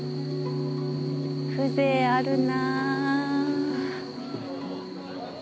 風情あるな。